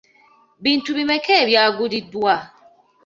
Bintu bimeka ebyaguliddwa?